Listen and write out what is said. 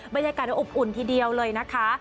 บรรยากาศอบอุ่นทีเดียวเลยนะคะ